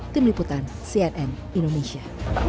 tim liputan cnn indonesia